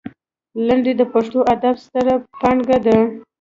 لنډۍ د پښتو ادب ستره پانګه ده.